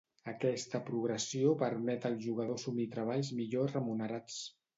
Aquesta progressió permet al jugador assumir treballs millor remunerats.